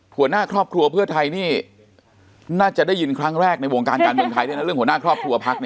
หัวหน้าครอบครัวเพื่อไทยนี่น่าจะได้ยินครั้งแรกในวงการการเมืองไทยด้วยนะเรื่องหัวหน้าครอบครัวพัก